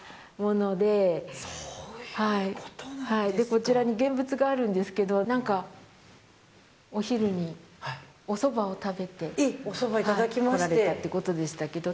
こちらに現物があるんですがお昼に、おそばを食べてこられたってことでしたけど。